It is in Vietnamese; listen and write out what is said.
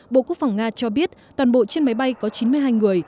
bộ quốc phòng nga cho biết toàn bộ trên máy bay có chín mươi hai người